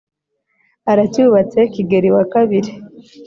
aracyubatse kigeli wa kabiri